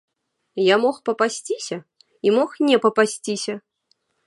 Я мог папасціся і мог не папасціся.